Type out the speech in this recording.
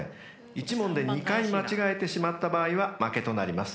［１問で２回間違えてしまった場合は負けとなります］